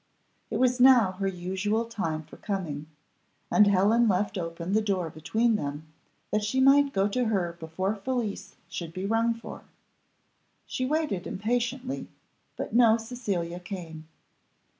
It was now her usual time for coming, and Helen left open the door between them, that she might go to her before Felicie should be rung for. She waited impatiently, but no Cecilia came.